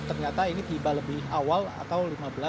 ternyata ini tiba lebih awal atau lima belas dua puluh lima